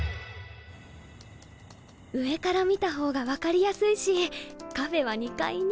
上から見た方が分かりやすいしカフェは２階に。